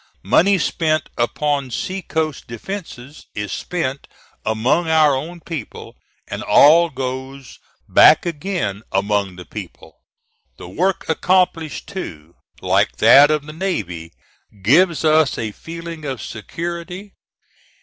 Money spent upon sea coast defences is spent among our own people, and all goes back again among the people. The work accomplished, too, like that of the navy, gives us a feeling of security.